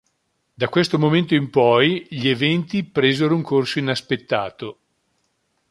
Da questo momento in poi, gli eventi presero un corso inaspettato.